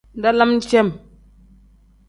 Dalam cem.